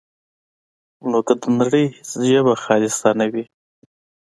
نو که د نړۍ هېڅ ژبه خالصه نه وي،